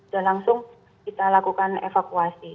dan langsung kita lakukan evakuasi